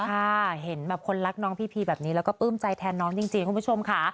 ค่ะเห็นแบบคนรักน้องพีพีแบบนี้แล้วก็ปลื้มใจแทนน้องจริงคุณผู้ชมค่ะ